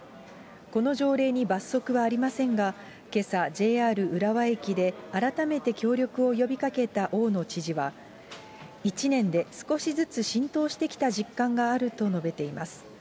この条例に罰則はありませんが、けさ、ＪＲ浦和駅で改めて協力を呼びかけた大野知事は、１年で少しずつ浸透してきた実感があると述べています。